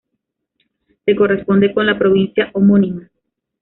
Se corresponde con la provincia homónima.